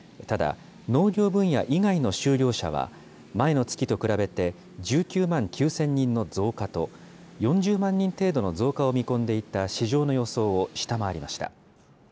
ただ、農業分野以外の就業者は前の月と比べて１９万９０００人の増加と、４０万人程度の増加を見込んでいた市場の予想を下回りました。